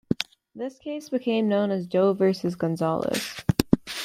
This case became known as Doe versus Gonzales.